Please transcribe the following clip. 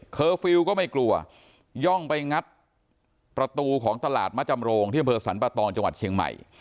ฟิลล์ก็ไม่กลัวย่องไปงัดประตูของตลาดมะจำโรงที่อำเภอสรรปะตองจังหวัดเชียงใหม่